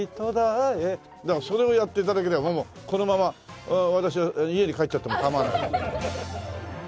それをやって頂ければこのまま私は家に帰っちゃっても構わない。